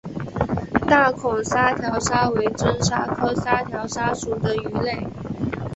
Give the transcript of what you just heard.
大孔沙条鲨为真鲨科沙条鲨属的鱼类。